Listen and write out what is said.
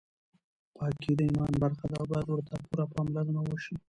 پاکي د ایمان برخه ده او باید ورته پوره پاملرنه وشي.